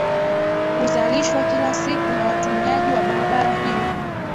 huzalishwa kila siku na watumiaji wa barabara hiyo